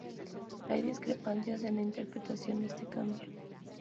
Hay discrepancias en la interpretación de este cambio.